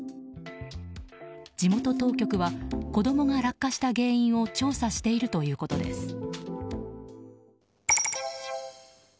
地元当局は子供が落下した原因を調査しているということです。